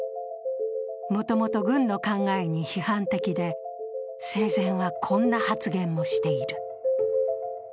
もともと軍の考えに批判的で生前はこんな発言もしている。